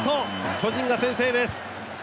巨人が先制です。